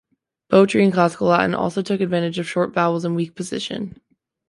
Poetry in Classical Latin also took advantage of short vowels in weak position.